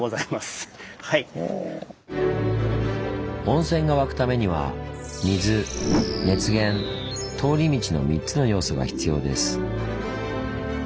温泉が湧くためには「水」「熱源」「通り道」の３つの要素が必要です。